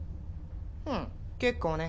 うん結構ね。